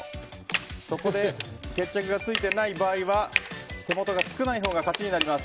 そこで決着がついてない場合は手元が少ないほうが勝ちになります。